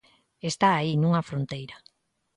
Está aí nunha fronteira.